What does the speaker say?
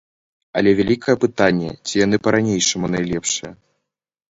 Але вялікае пытанне, ці яны па-ранейшаму найлепшыя.